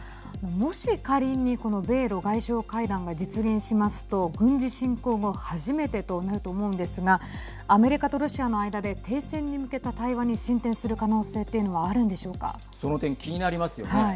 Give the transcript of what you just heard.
もし、仮にこの米ロ外相会談が実現しますと軍事侵攻後初めてとなると思うんですがアメリカとロシアの間で停戦に向けた対話に進展する可能性っていうのはその点、気になりますよね。